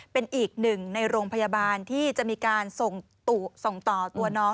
เป็นอีกหนึ่งในโรงพยาบาลที่จะมีการส่งต่อตัวน้อง